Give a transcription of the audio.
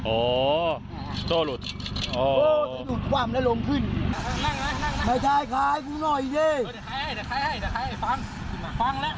โอ้ต้องหยุดความและลงขึ้น